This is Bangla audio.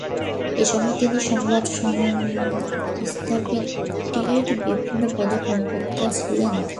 এসময় তিনি সংবাদ সংস্থাটির বিভিন্ন পদে কর্মরত ছিলেন।